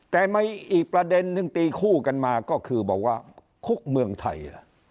แต่มีอีกประเด็นนึงตีคู่กันมาก็คือบอกว่าคุกเมืองไทย